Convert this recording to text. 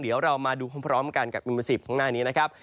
เดี๋ยวเรามาดูพร้อมกันกับปริมประสิทธิ์ข้างหน้านี้นะครับ